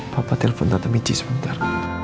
papa telepon datang mici sebentar